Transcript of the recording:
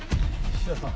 菱田さん。